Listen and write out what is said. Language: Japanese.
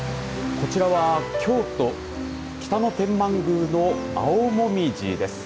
こちらは京都北野天満宮の青もみじです。